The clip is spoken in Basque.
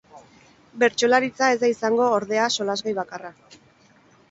Bertsolaritza ez da izango, ordea, solasgai bakarra.